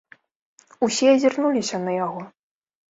Усе азірнуліся на яго.